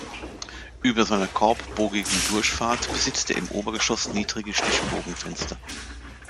Über seiner korbbogigen Durchfahrt besitzt er im Obergeschoss niedrige Stichbogenfenster.